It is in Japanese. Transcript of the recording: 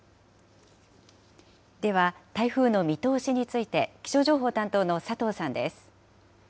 では、台風の見通しについて、気象情報担当の佐藤さんです。